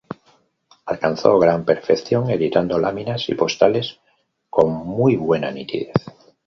Alcanzó gran perfección, editando láminas y postales con muy buena nitidez.